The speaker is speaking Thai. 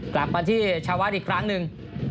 กลับมาที่ชาวาสอีกครั้งหนึ่ง